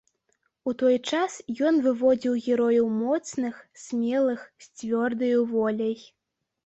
У той час ён выводзіў герояў моцных, смелых, з цвёрдаю воляй.